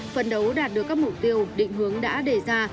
phấn đấu đạt được các mục tiêu định hướng đã đề ra